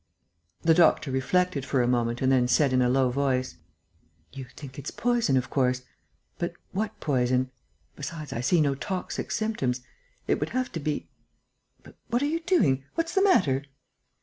The doctor reflected for a moment and then said in a low voice: "You think it's poison, of course ... but what poison?... Besides, I see no toxic symptoms.... It would have to be.... But what are you doing? What's the matter?..."